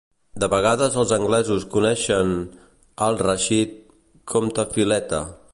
De vegades els anglesos coneixien Al-Rashid com "Tafiletta".